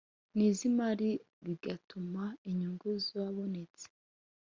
n iz imari bigatuma inyungu zabonetse